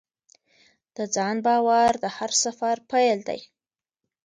د ځان باور د هر سفر پیل دی.